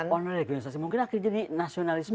nah on regionalisasi mungkin akhirnya jadi nasionalisme